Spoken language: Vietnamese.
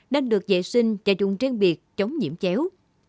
nên được vệ sinh và dùng riêng biệt chống nhiễm chéo